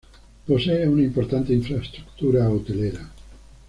Posee una importante infraestructura hotelera.